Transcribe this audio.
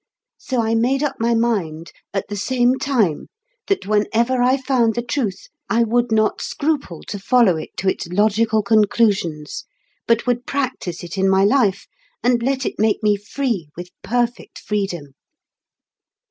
So I made up my mind, at the same time, that whenever I found the Truth I would not scruple to follow it to its logical conclusions, but would practise it in my life, and let it make me Free with perfect freedom.